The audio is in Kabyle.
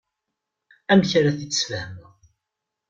Amek ara t-id-sfehmeɣ?